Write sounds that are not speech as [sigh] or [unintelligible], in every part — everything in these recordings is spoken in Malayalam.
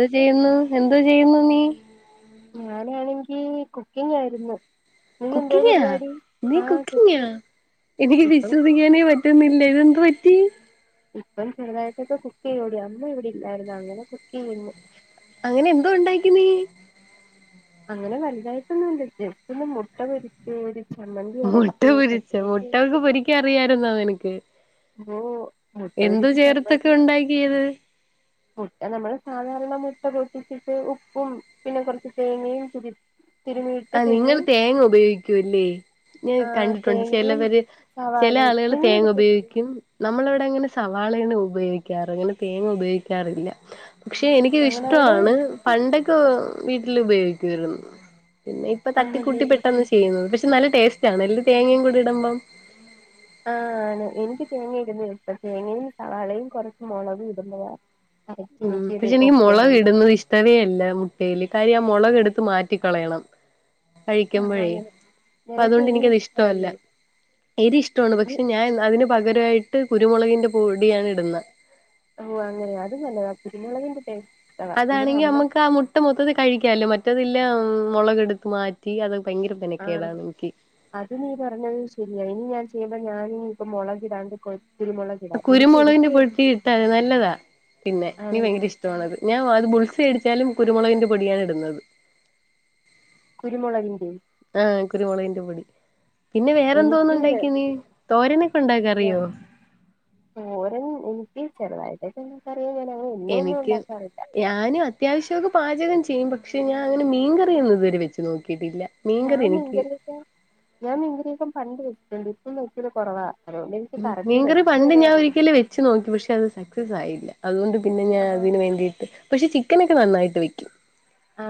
എന്ത് ചെയ്യുന്നു. എന്തോ ചെയ്യുന്നു നീ ഞാനാണെങ്കി കുക്കിംങ്ങായിരുന്നു കുക്കിങ്ങാ.. നീ ആഹ് കുക്കിംങ്ങാ.. കുക്കിംഗ് എനിക്ക് ഇപ്പം വിശ്വസിക്കാനേ പറ്റ ന്നില്ല ഇതെന്ത് പറ്റി ഇപ്പം ചെറുതായിട്ടൊക്കെ കുക്ക് ചെയ്യു വെടി. അമ്മ ഇവിടെ ഇല്ലായിര്ന്ന്. അങ്ങനെ കുക്ക് ചെയ്യുന്നു അങ്ങനെ എന്തോ ഉണ്ടാക്കി നീ.. അങ്ങനെ വലുതായിട്ടൊന്നും ഇല്ല, ജസ്റ്റ് ഒന്ന്‌ മുട്ട പൊരിച്ചു ചമ്മന്തി മുട്ട അരച്ചു പൊരിച്ച, അത്രയൊക്കെ മുട്ടക്കെ പൊരിക്ക അറിയാര്ന്നാ നിനക്ക് ഓ മുട്ട എന്തോ പൊരിച്ച ചേർത്തൊക്കെ ചമ്മന്തി ഉണ്ടാക്കിയത്. മുട്ട നമ്മള് സാധാരണ മുട്ട പൊട്ടിച്ചിട്ട് ഉപ്പും, പിന്നെ കുറച്ച് തേങ്ങയും തിരി തിരുമിയിട്ട് ആ പിന്നെ നിങ്ങള് തേങ്ങ ഉപയോഗിക്കൂല്ലേ ഞാൻ ആഹ് കണ്ടിട്ടുണ്ട് തേങ്ങയും ചിലവര്, ചില സവാളയും ആളുകൾ തേങ്ങ നിങ്ങളെടുത്തില്ലേ ഉപയോഗിക്കും നമ്മളിവിടെ അങ്ങനെ സവാളേണ് ഉപയോഗിക്കാറ്, അങ്ങനെ തേങ്ങ ഉപയോഗിക്കാറില്ല പക്ഷെ എനിക്ക്ത് ഞങ്ങളവിടെ ഇഷ്ടവാണ്. പണ്ടൊക്കെ വീട്ടിൽ ഉപയോഗിക്കുവായിരുന്നു പിന്നെ ഇപ്പ ആണല്ലേ തട്ടിക്കൂട്ടി പെട്ടന്ന് ചെയ്യുന്നത്, പക്ഷെ നല്ല ടേസ്റ്റ് ആണ് എല്ല തേങ്ങയും കൂടി ഇടുമ്പം ആഹ ആണ്. എനിക്ക് തേങ്ങ ഇടുന്ന ഇഷ്ടം, തേങ്ങയും, സവാളയും, കുറച്ചു മുളകും ഇടുന്നത ഉം.. പക്ഷെ എനിക്ക് മുളകിടുന്നത് ഇഷ്ടവേ അല്ല മുട്ടയില് തരി ആ മുളക എടുത്ത് മാറ്റിക്കളയണം. ആഹ് കഴിക്കുമ്പഴേ, അങ്ങനെ അപ്പ നിനക്ക് അതുകൊണ്ട് എരി എനിക്കത് ഇഷ്ടവല്ല ഇഷ്ടവല്ലേ എരി ഇഷ്ടവാണ്. പക്ഷെ ഞാൻ അതിന് പകരവായിട്ട് കുരുമുളകിന്റെ പൊടിയാണ് ഇടുന്നത് ഓ അങ്ങനെയാ, അത് നല്ലതാ കുരുമുളകിന്റെ ടേസ്റ്റ് ഇഷ്ടവാ ഇവിടെ അതാണെങ്കി അമ്മ നമ്മുക്ക് ആ മുട്ട മൊത്തത്തി കഴിക്കാലോ മറ്റതില്ല.. മൊളകെടുത്ത് മാറ്റി അത് ഭയങ്കര ആ മെനക്കേടാണ് എനിക്ക് അത് നീ പറഞ്ഞത് ശരിയ, ഇനി ഞാൻ ചെയ ഞാനിനി ഇപ്പ മൊളകിടാണ്ട് കൊ കുരുമുളകിടാം എനിക്ക് കുരുമുളകിന്റെ എരിക്ക് പൊട്ടി ഇട്ടാെ നല്ലതാ പിന്നെ നീ ഭയങ്കര ആണല്ലേ ഇഷ്ടണത് ഞാൻ അത് ബൾസ എടു ച്ചാലും കുരുമുളകിന്റെ പൊടിയാണ് ഇടുന്നത് കുരുമുളകന്റെയും ആഹ കുരുമുളകിന്റെ പൊടി പിന്നെ വേറെന്തോന്നും ഉണ്ടാക്കാക്കിന് തോരന ഓര എനിക്ക് ചെറുതായിട്ടെ എനിക്ക് ഞാനും അത്യാവശ്യം പാചകം ചെയ്യും പക്ഷെ ഞാൻ അങ്ങനെ മീൻ കറിഒന്നും ഇതു വേറെ വെച്ച് നോക്കിയിട്ടില്ല മീൻകറി ഞാൻ മീൻ എനിക്ക് കറി യൊക്കെ ഞാൻ ഇങ്ങനെയൊക്കെ പണ്ട് വെച്ചിട്ടുണ്ട് ഇപ്പൊ നോക്കല് കുറവാ അതുകൊണ്ട് എനിക്ക് കറക്റ്റ് നിങ്ങരു റെസിപ്പി പണ്ട് വരെ ഞാൻ അറിയില്ല ഒരിക്കലും വെച്ച് നോക്കി പക്ഷെ അത് സക്സസ് ആയില്ല അതുകൊണ്ട് പിന്നെ ഞാൻ ആഹ് അതിന് വേണ്ടീട്ട് പക്ഷെ ചിക്കനൊക്കെ നന്നായിട്ട് വെക്കും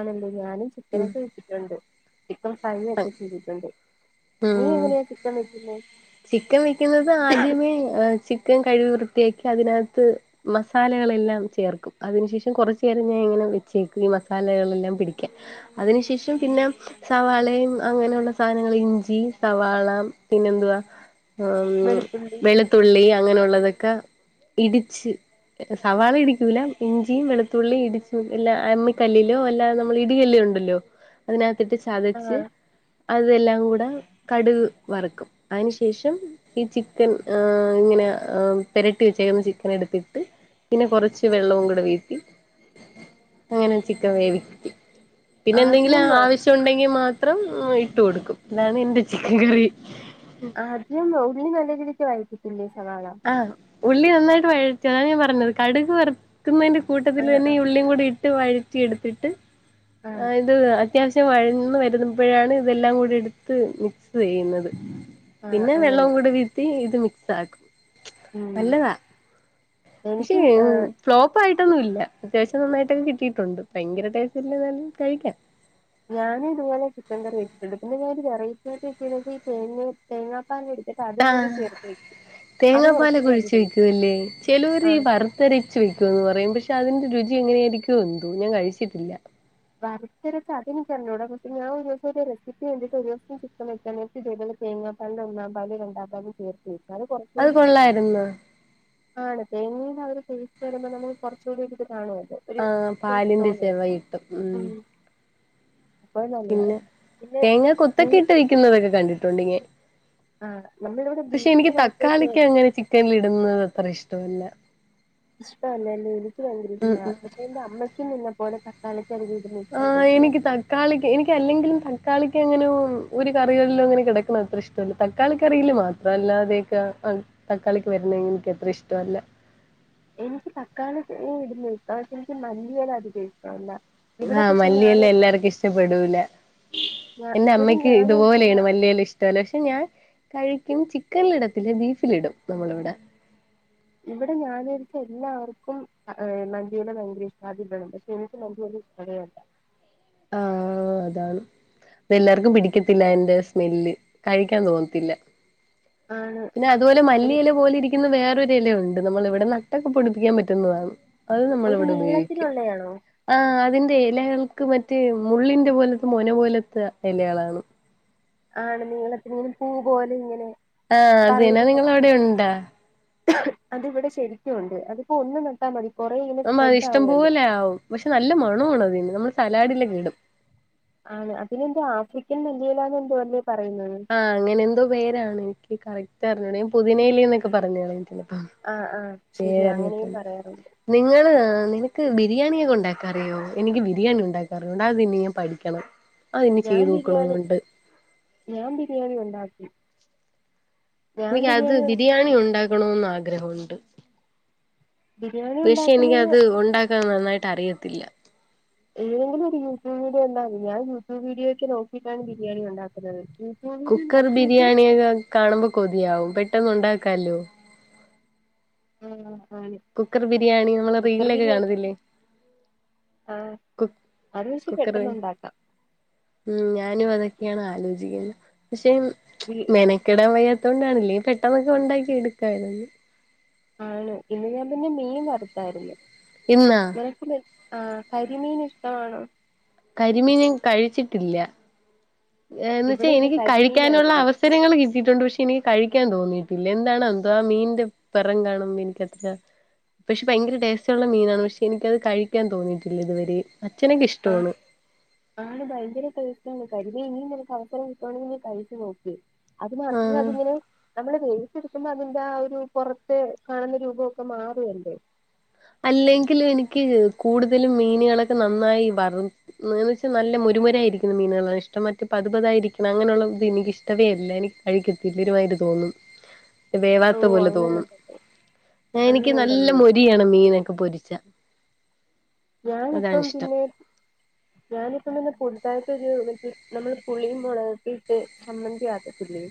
ല്ല ഞാനും ചിക്കൻ ഉം ഒക്കെ വെച്ചുട്ടിട്ടുണ്ട് ചിക്കൻ ഫ്രൈ ഒക്കെ ചെയ്തിട്ടുണ്ട് ഉ നീ എങ്ങനെയാ ചിക്കൻ വെക്കുന്നെ ചിക്കൻ വെക്കുന്നത് ആദ്യമേ ചിക്കൻ കഴികി ലേക്ക് അതിനകത്തേക്ക് മസാലകൾ എല്ലാം ചേർക്കും അതിന് ശേഷം കുറച്ച് നേരം ഞാൻ ഇങ്ങനെ വെക്കും മസാലകൾ എല്ലാം പിടിക്ക അതിൻ ശേഷം പിന്നെ സവാളയും അങ്ങന ഉള്ള സാധനങ്ങൾ ഇഞ്ചി സവാള പിന്നെ എന്തു വാ വെളുത്തുള്ളി വെളുുള്ളി അങ്ങനെയുള്ളതൊക്കെ ഇടിച്ച് സവാള ഇടിക്കൂല ഇഞ്ചിയും വെളുത്തുള്ളിയും ഇടിച്ചു എല്ല അമ്മിക്കല്ലിലോ അല്ലാ നമ്മള് ഇടികല്ലോോ അതിനക് ചതച്ച് ആഹ് അതെല്ലാം കൂ കടുക് വറക്കും അതിനുശേഷം ഈ ചിക്കൻ ഇങ്ങനെ പരട്ടി വെച്ച ചിക്കെൻ എടുത്തിട്ട് പിന്നെ കുറച്ച് വെള്ളവും കൂടെ വീട്ടി അങ്ങനെ ചിക്കൻ വേവിക്ക പിന്നെ എന്തെങ്കിലും ആദ്യം ആവശ്യം ഉണ്ടെങ്കിൽ മാത്രം ഇട്ട കൊടുക്കും അതാണ് എന്റെ ചിക്കൻ കറി ആ അതന്നോ ഉള്ളി നല രീതിക്ക വായിട്ടിട്ടില്ലേ ആഹ് ഉള്ളി നന്നായിട്ട് വഴറ്റതാണ് ഞാൻ പറഞ്ഞത് കടുക് വറുത്ത നിൽക്കുന്നതിന്റെ കൂട്ടത്തിൽ ആഹ് തന്നെ ഈ ആഹ് ഉള്ളിയ കൂടി ഇട്ട് വഴറ്റി എടുത്തിട്ട് ആഹ് ഇത് അത്യാവശ്യം വഴന്ന് വരും പോയാണ് ഇതെല്ലാം കൂടി എടുത്ത് മിക്സ് ചെയ്യുന്നത് ആഹ് പിന്നെ അങ്ങനെ വെള്ളവും കൂടെ വീത്തി ഇത് മിക്സ് ആക്കും ഉം പക്ഷെ എനിക്ക് ഫ്ലോപ്പ ആയിട്ട് പൊന്നുംല്ല അത്യാവശ്യം നന്നായിട്ടൊക്കെ കിട്ടിയിട്ടുണ്ട് ഭയങ്കര ടേസ്റ്റ് ഇല്ലേലും കഴിക്കാൻ ഞാനും ഇതുപോലെ ചിക്കൻ കറി വച്ചിട്ടുണ്ട് പിന്നെ ഞാൻ ഒരു വെറൈറ്റി ആയിട്ട് വെച്ചത് തേങ്ങ തേങ്ങ എടുത്തിട്ട് അതും കൂടി ചേർത്ത വയ്ക്കു തേങ്ങാപ്പാൽ കുഴിച്ചു വെക്കല്ലേ ചിലര് ഈ ആഹ് വറുത്തരച്ച് വെക്കൂന്ന് പറയും പക്ഷേ പക്ഷ അതിന്റെ രുചി എങ്ങനെയായിരിക്കും എന്തു ഞാൻ കഴിച്ചിട്ടില്ല വരുത്തരച്ച അത് എനിക്ക് അറിഞ്ഞൂടാ പക്ഷെ ഞാൻ ഒരു ദിവസം റെസിപ്പി കണ്ടിട്ട് ഒരു ദിവസം ഞാൻ ചിക്കെൻ വെച്ചായിരുന്നു തേങ്ങാപ്പാൽ ഒന്നാം പാല് രണ്ടാം പാൽ ചേർത്ത് അത് കൊള്ളായിരുന്നു ആണ് തേങ്ങീന്ന് അവര് തേച്ച് വരുമ്പോ നമ്മ കുറച്ചുകൂടി കാണുമല്ലോ ഒരു ആഹ ടേസ്റ്റ് പാലിന്റെ തോന്നുവല്ലോ ചെവ കട്ടും ഉം ഉ അപ്പൊ നല്ലതാ പിന്നെ പിന്നെ തേങ്ങ നീ കൊത്തക്കെ ഇട്ട് വിക്കുന്നതൊക്കെ കണ്ടിട്ടുണ്ട് ഇങ്ങ ആ നമ്മളിവിടെ പക്ഷെ ബീഫിന് എനിക്ക് മാത്രമൊക്കെ തക്കാളിക്ക് അങ്ങനെ ചിക്കനില ഇടുന്നത് അത്ര ഇഷ്ട തൊന്ന് ഇഷ്ടല്ലല്ലേ എനിക്ക് ഭയങ്കര ഇഷ്ടമാണ് ഉം പക്ഷെ എന്റെ അമ്മക്കും നിന്ന പോലെ തക്കാലത്ത് ആ എനിക്ക് തക്കാളിക്ക് എനിക്ക് അല്ലെങ്കിലും തക്കാളി അങ്ങനെ ഒരു കറികളിലും അങ്ങനെ കിടക്കണം അത്ര ഇഷ്ടല്ല തക്കാള കറിയിൽ മാത്രം അല്ലാതെയൊക്കെ തക്കാളിക്ക് വരണെങ്കിൽ എനിക്ക് എത്ര ഇഷ്ടമല്ല എനിക്ക് തക്കാളി ഇടുന്ന ഇഷ്ടം പക്ഷെ എനിക്ക് മല്ലിയല അധികം ഇഷ്ടല്ല ആഹ മല്ലിയെല്ലാം എല്ലാർക്കും ഇഷ്ടപ്പെടൂല എൻന്റെ ഇവിടെ അമ്മയ്ക്ക് ഞാൻ ഒഴിച്ചിട്ടുള്ള ഇതുപോലെയാണ് മലിയല്ല ഇഷ്ടമല്ല പക്ഷെ ഞാൻ കഴ ചിക്കനിലിടത്തില്ല ബീഫിലിടും നമ്മള ഇവിടെ ഇവിടെ ഞാൻ എല്ലാവർക്കും മന്ത്യില ഭയങ്കര ഇഷ്ടാണ്ട് പക്ഷെ എനിക്ക് മ ല്ല ആഹ അതാണ് അത് എല്ലാർക്കും പിടിക്കത്തില്ല എറെ സ്മെല്ല് കഴിക്കാൻ തോന്നത്തില്ല ആണ് പിന്നെ അതുപോലെ മല്ലിയില പോലെ ഇരിക്കുന്ന വേറെ ഒരുഇലണ്ട് നമ്മള ഇവി നട്ടൊക്കെ പൊടിപ്പിക്കാൻ പറ്റുന്നതാണ് അത് ഒരു നമ്മൾിവിടെ ഉപയോഗിക്കും നീളത്തിലുള്ളയാണോ ആ അതി ഇലകൾക്ക് മറ്റേ മുള്ളിന്റെ പോലത്തെ മൊന പോലത്തെ ഇലകളാണ് ആണ് നീങ്ങളീ പൂ പോലെ ഇങ്ങനെ ആഹ അതിനനാ നിങ്ങ അവിടെ ഉണ്ടാ അത്വിടെ ശരിക്കുണ്ട് അതിപ്പോ ഒന്ന് നട്ടാ മതി കൊറേ ഇങ്ങനെ നമ്മ സ്പ്രെഡ് അതിഷ്ടം ആവുമല്ലോ പോലെ ആകും പക്ഷെ നല്ല മണോആണി അതിന് നമ്മൾ ആ സലാഡിലൊക്കെ ഇടും ആണ് അതിനെന്താ ആഫ്രിക്കൻ നിലയിലാാൾഎന്ത ആഹ് അങ്ങനെ എന്തോ പേരാണ് എനി ക്ക്കറക്റ്റ് അറിഞ്ഞോട ഞൻ പുതിനേലിന്നൊക്കെ പറഞ്ഞഞ് കളഞ്ഞിട്ട് ആഹ് ആഹ് ശരിയാ അങ്ങനെയും പേരറങ്ങിയത്ത പറയാറുണ്ട് നിങ്ങ നിന നിക്ക് ബിരിയാണിയ ഒക്കെ ഉണ്ടാക്കാറിയോ എനിക്ക് ബിരിയാണി ഉണ്ടാക്കാറിയോണ്ടാ അത് തന്നെ ഞാൻ പഠിക്കണം അതിന് ഞാൻ ചെയ്ത് നോക്കണമൊണ്ട് ന്ന ഉണ്ടാക്കി എനിക്ക് അത് ബിരിയാണി ഉണ്ടാക്കണോന്ന് ആഗ്രഹമുണ്ട് ബിരിയാണി പക്ഷെ ഉണ്ടാക്കുന്ന എനിക്ക അത് ഉണ്ടാക്കാൻ നന്നായിട്ട് അറിയത്തില്ല ഏതെങ്കിലും ഒരു യൂട്യൂബ വീഡിയോ എന്താവ ഞാൻ യൂട്യൂബ് വീഡിയോ ഒക്കെ നോക്കിയിട്ടാണ് ബിരിയാണി ഉണ്ടാക്കുന്നത് യൂട്യൂബ് വീഡിയോ കുക്കർ നോക്കിയിട്ട് ബിരിയാണിയക്കെ കാണുമ്പോ കൊതിയാവും പെട്ടന്ന് ഉണ്ടാക്കല്ലോ ഉം കുക്കർ ബിരിയാണി നമ്മൾ റീലിലൊക്കെ ബിരിയാണി കാണത്തില്ലേ ആ കു അത് വച്ചി കുക്കർ പെട്ടെന്നുണ്ടാക്കാം ഉം ഞാനും അതൊക്കെയാണ് ആലോചിക്കുന്നത് പക്ഷെ മെനക്കെടാൻ വയ കൊണ്ടാണല്ലേ പെട്ടെന്നൊക്കെ ഉണ്ടാക്കി എടുക്കായിരുന്നു ആണോ ഇന്ന് ഞാൻ പിന്നെ മീൻ വറത്തായിരുന്നു ഉന്ന ആഹ കരിമീൻ ഇഷ്ടമാണോ കരിമീനും കഴിച്ചിട്ടില്ല ന്ന് വച്ചാ ഇവിടെ ഇന്ന് എനിക്ക് കഴിക്കാനുള്ള കരിമീനായിരുന്നു അവസരങ്ങൾ കിട്ടിയിട്ടുണ്ട് പക്ഷെ എനിക്ക് കഴി കിക്കാൻ തോന്നീയിട്ടില്ല എന്താണ്എന്തോ ആ മീന്റെ പിറം കാണും എനിക്ക പക്ഷെ ഭയങ്കര ടേസ്റ്റ ഉുള്ള മീനാണ് പക്ഷെ എനിക്കത് കഴിക്കാൻ തോന്നിയിട്ടില്ല ഇതുവരെ അച്ഛനൊക്കെ ആഹ ഇഷ്ടമാണ് ആണ വൈദ്യരെ കഴസ കരുതി ഇനി നിനക്ക്സം കിട്ടുകവാെങ്ക കഴിച്ച നോക്കേ അത് മാത്രം ആഹ് അതിങ്ങനെ നമ്മള ടുക്ക്പോ അതിന്റെ ആ ഒരു പൊറത്ത് കാണുന്ന രൂപമൊക്കെ മാറെല അല്ലെങ്കും എനിക്ക് കൂടുതലും മീനുകളൊക്കെ നന്നായി വന്ന് വെച്ചാ നല്ല ഒരു മുര ആയിരിക്കുന്ന മീനുകളാണ് ഇഷ്ടം മറ്റ പത്പതായിരിക്കണം അങ്ങനെയുള്ളത് എനിക്ക ഇഷ്ടേ അല്ല എനിക്ക് കഴിക്കത്തില്ല ഒരു എ തോന്നും ഉ വേവാത്ത പോലെ തോന്നും എനിക്ക് നല്ല അങ്ങനുണ്ടല്ലേ മൊരിയണം ഇനൊക്കെ പൊരിച്ച ഞാനിപ്പം പിന്നെ ഞാനിപ്പം പിന്നെ ഇ നമ്മള് പുളിയും മുളത്തിയിട്ട് സംമ്മന്തിയാകതിലെ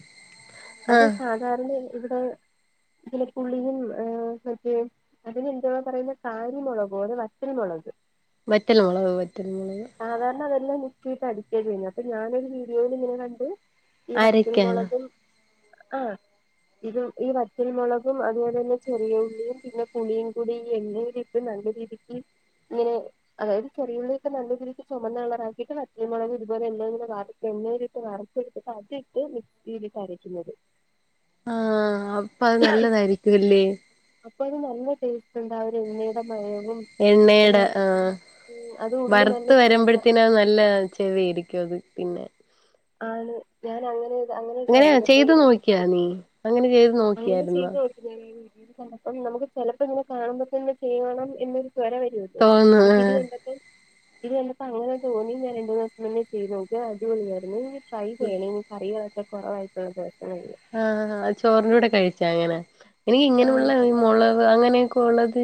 അത് ആഹ് സാധാരണ ഇവിടെ ഇെ പുള്ളി മറ്റേ അതിന് ന്തോ പറയുന്ന കാര്യമൊള കൊ അത് ഇത്തി മുളക് വറ്റല്ല മുള സാധാരണ അതെല്ലാം മിക്സിൽയിട്ട് അടിക്കാ ചെയ്യുന്നു അപ്പൊ ഞാനൊരു വീഡിയോൽ ഇങ്ങനെ കണ്ട് ഈ വറ്റൽ അരക്കാനോ മുളകും ആ ഇതും ഈ വറ്റൽമുളകും അതുപോലെ തന്നെ ചെറിയ ഉള്ളിയും പിന്നെ പുളിയും കൂടി എണ്ണയിൽ ഇട്ട് നല്ലരീതിയ്ക്ക് ഇങ്ങനെ അതായത് ചെറിയുള്ളൊക്കെ നല്ല ഇത് ചുമന്ന കളറാക്കിയിട്ട് വറ്റൽ മുളക് ഇതുപോലെ [unintelligible] എണ്ണയിലിട്ട് വറുത്തെടുത് അതിട്ട് വീതി [unintelligible] ആ അപ്പ അത് നല്ലതായിരിക്കുംല്ലേ അപ്പൊ ഒരു നല്ല ടേസ്റ്റ് ഉണ്ടാ ആ എണ്ണയുടെ മണവും എണ്ണയുടെ എല്ലംകുടെ അത് ഉള്ളിൽ നല്ല ചുവന്ന വരുമ്പോഴത്തിനാ നല്ല ച്ചേ വേവിക്കും അത് പിന്നെ ആണ് ഞാൻ അങ്ങനെ അങ്ങനെ ട്രൈ അങ്ങനെയ ചെയ്തപ്പോ ചെയ്തു ഇവിടെ നോക്കിയാ എല്ലാവർക്കും നീ ഇഷ്ടപ്പെട്ടു അങ്ങനെ ചെയ്ത് നോക്കിയായിരുന്നോ ചെലപ്പോ നമുക്ക് ചെലപ്പം ഇങ്ങനെ കാണുമ്പോൾ തന്നെ ഇങ്ങനെ ചെയ്യണം എന്നൊരു വര വരോലോ തോന്നു എനിക്ക് ഇത് കണ്ടിട്ട് ഇത് കണ്ടപ്പോ അങ്ങനെ തോന്നി ഞാൻ രണ്ടു ദിവസത്തിനുള്ളിൽ ചെയ്ത് നോക്കി അടിപൊളിയായിരുന്നു ഫ്രൈഡേയ്നി കറികളൊക്കെ കുറവായിട്ടുള്ള ദിവസം ആ ചോറിന്റെ കൂടെ കഴിച്ചാ അങ്ങനെ എനിക്ക് ഇങ്ങനെയുള്ള ആഹ് ഈ മുളവ് അങ്ങനെ ഇപ്പ ഉള്ളത്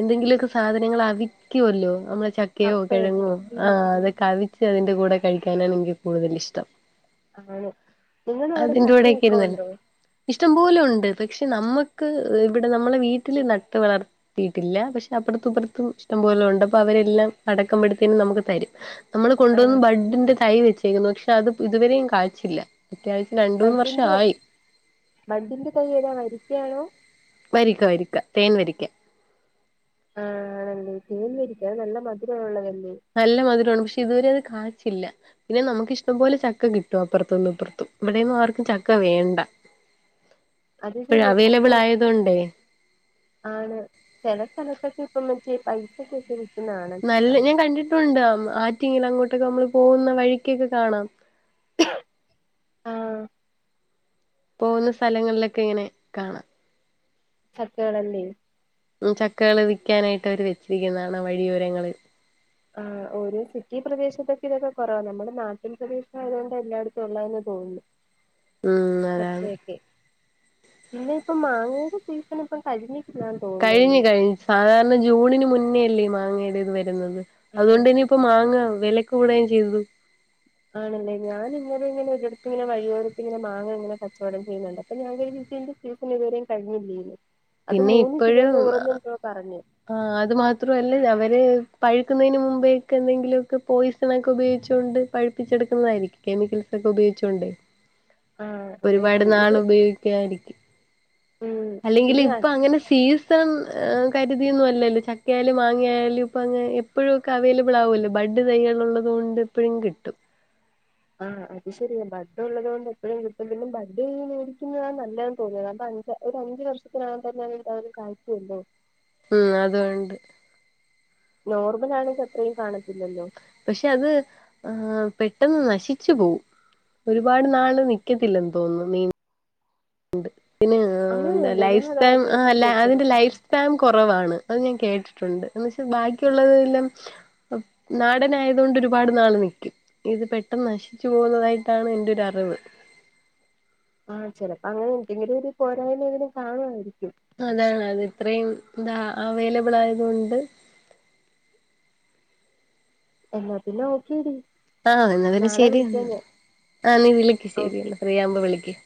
എന്തെങ്കിലുമൊക്കെ സാധനങ്ങൾ അവിക്കുമല്ലോ നമ്മെ ചക്കയോ കപ്പയൊക്കെ കിഴങ്ങോ ഉം ആ ഉം അത് കവിച്ച് അതിന്റെ കൂടെ കഴിക്കാനാണ് എനിക്ക് കൂടുതൽ ഇഷ്ടം ആണ് നിങ്ങടെ അവിടെ അതിന്റെ കൂടൊക്കെ ചക്കയൊക്കെ ഇരുന്നില്ല ഉണ്ടോ ഇഷ്ടം പോലെ ഉണ്ട് പക്ഷെ നമ്മുക്ക് ഇവിടെ നമ്മളെ വീട്ടിൽ നട്ട് വളർത്തിയിട്ടില്ല പക്ഷെ അപ്പറത്തും ഇപ്പറത്തും ഇഷ്ടം പോലെ ണ്ട്പ്പോ അവരെല്ലാം അടക്കംബഡ്ത്തിനും നമുക്ക് തരും നമ്മള് കൊണ്ടുവന്ന് ആഹ് ബഡിന്റെ തൈ വെച്ചേക്കുന്നു പക്ഷെ അത് ഇതുവരെയും കായ്ച്ചില്ല അത്യാവശ്യം രണ്ട് മൂന്ന് വർഷം ബഡ്ഡിന്റെ ആയി ബഡ്ഡിന്റെ തൈ ഏതാ വരിക്കയാണോ വരിക്ക വരിക്ക തേൻ വരിക്ക ആ തേൻ വരിക്ക അത് നല്ല മധുരമുള്ള തല്ലേ നല്ല മധുരമാണ് പക്ഷെ ഇതുവരെയത് കായീച്ചില്ല പിന്നെ നമുക്ക് ഇഷ്ടം പോലെ ചക്ക കിട്ടും അപ്പുറത്തുന്നും ഇപ്പറത്തും ഇവിടെന്നും ആർക്കും ചക്ക വേണ്ട അത് ഇപ്പഴ് ശരിയ ചക്ക അവൈലബിൾ ഓൾറെഡി ആയതൊണ്ടേ ആണ് ചില സ്ഥലത്തൊക്കെ ഇപ്പൊ കേ പൈസയ്ക്ക് ഒക്കെ വി നല്ല ഞാൻ കണ്ടിട്ടുണ്ട് ആറ്റെങ്കിലും അങ്ങോട്ടൊക്കെ നമ്മള് പോകുന്ന വഴിക്കൊക്കെ കാണാം ആ പോകുന്ന സ്ഥലങ്ങളിലൊക്കെ ഇങ്ങനെ കാണാം ചക്കേളല്ലേ ഉം ചക്കകള് വിൽക്കാനായിട്ട് അവര് വെച്ചിരിക്കുന്നത് കാണാം വഴിയോരങ്ങളിൽ ആ ഒരു സിറ്റി പ്രദേശത്തൊക്കെ ഇത് കുറവാ നമ്മുടെ നാട്ടിൻ പ്രദേശം ആയതുകൊണ്ട് എല്ലായിടത്തും ഉള്ളതെന്ന് തോന്നുന്നു ഉം അതാണ് ചക്കയൊക്കെ പിന്നെ ഇപ്പൊ മാങ്ങയുടെ സീസൺ ഇപ്പ കഴഞ്ഞി കഴിഞ്ഞു കഴിഞ്ഞു സാധാരണ ജൂണിന് മുന്നേല്ലേ ഈ മാങ്ങയുടെ ഇത് വര ന്നത് ആഹ് അതുകൊണ്ട് ഇനി ഇപ്പ മാങ്ങ വില കൂടാൻ ചെയ്തത് ആണല്ലേ ഞാന ഇങ്ങനെ ഇങ്ങനെ ഒരിടത്ത് വഴിയോരത്തി ഇങ്ങനെ മാങ്ങ ഇങ്ങനെ കച്ചവടം ചെയ്യുന്നത് കണ്ടപ്പൊ ഞാൻ കരുതി ഇതിൻ്റെ സീസൺ ഇതുവരെ കഴിഞ്ഞില്ലേന്ന് അത് മൂന്ന് കിലോ നൂറന്ന് പറഞ്ഞു ആ അത് മാത്രം അല്ലെ അവര് പഴുക്കുന്നതിന് മുമ്പേ അയ്‌ക്കെ ന്തെങ്കിലുമൊക്കെ പോയിസൺ ഒക്കെ ഉപയോഗിച്ചു കൊണ്ട് പഴുപ്പിച്ച് പഴുപ്പിച്ചെടുക്കുന്നതായിരിക്കും പോയിസൻ കെമിക്കൽസ് ഉപയോഗിച്ചോണ്ട് ആഹ് ഒരുപാട് ആയിരിക്കും നാള ഇത് ഉപയോഗിക്കായിരിക്കും ഉം അല്ലെങ്കിൽ ഇത് ഇപ്പ അങ്ങനെ സീസൻ കരുതി ഒന്നും അല്ലല്ലോ ചക്കയായാലും മാങ്ങ ആയാലും ഇപ്പങ്ങനെ എപ്പഴും ഒക്കെ അവൈലബിൾ ആവോലോ ബഡ് തൈയാളുള്ളതും ണ്ട് ഇപ്പഴും കിട്ടും ആ അത് ശരിയ ബഡ് ഒള്ളത് കൊണ്ട് എപ്പോഴും കിട്ടുന്നെന്നും ബഡ് ചെയ്ത് മേടിക്കുന്നതാണ് നല്ലെന്ന് തോന്നുന്നു എന്താ ഒരു അഞ്ചു വർഷത്തിനകം തന്നെ അത് എന്തായാലും കായ്ക്കല്ലോ ഉം അതൊണ്ട് നോർമൽ ആണെങ്കി അത്രെയും കാണത്തില്ലല്ലോ പക്ഷെ അത് ആ പെട്ടെന്ന് നശിച്ചു പോവും ഒരുപാട് നാള് നിക്കത്തില്ലെന്ന് തോന്നുന്നു നീ ഒണ്ട് പിന്നെ എന്താ അങ്ങനെയുണ്ടോ ഞാൻ ലൈഫ് അത് റ്റൈം ആദ്യമായിട്ടാ അല്ല കേൾക്കുന്നത് അതിന്റെ ലൈഫ് റ്റൈം കൊറവാണ് അത് ഞാൻ കേട്ടിട്ടുണ്ട് എന്ന് വെച്ചാൽ ബാക്കിയുള്ളതെല്ലാം നാടനായതു കൊണ്ട് ഒരുപാട് നാൾ നി ഇത് പെട്ടെന്ന് നശിച്ചു പോകുന്നതായിട്ടാണ് എന്റെ ഒരറിവ് ആ ചെലപ്പോ അങ്ങനെ എന്തെങ്കിലു ഒരു പോരായ്മയെങ്കിലും കാണുവായിരിക്കും അതാണ് അത് ഇത്രയും ന്താ അവൈലബിൾ ആയതുകൊണ്ട് എന്നാ പിന്നെ ഓക്കേ ഡി ആ എന്നാ പിന്നെ ശെരിയെന്നാ ആ നീ വിളിക്ക് ഓക്കെ ശെരിയെന്നാ ഫ്രീയാവുമ്പോ വിളിക്ക്